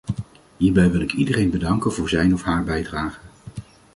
Hierbij wil ik iedereen bedanken voor zijn of haar bijdrage.